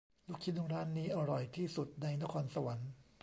ลูกชิ้นร้านนี้อร่อยที่สุดในนครสวรรค์